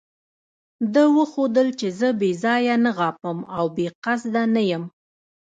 ده وښودل چې زه بې ځایه نه غاپم او بې قصده نه یم.